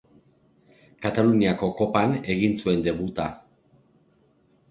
Kataluniako Kopan egin zuen debuta.